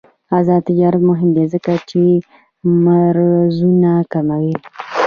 آزاد تجارت مهم دی ځکه چې مرزونه کموي.